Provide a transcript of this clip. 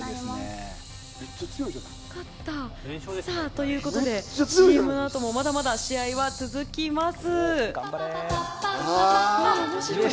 ということでＣＭのあともまだまだ試合は続きます。